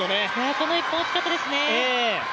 この１本は大きかったですね